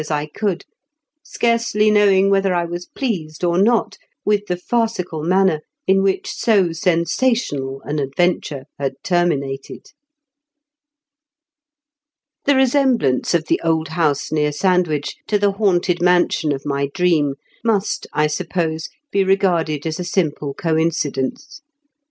s I could, scarcely knowing whether I was pleased or not with the farcical manner in which so sensational an adventure had ter minated. The resemblance of the old house near Sandwich to the haunted mansion of my dream must, I suppose, be regarded as a simple coincidence.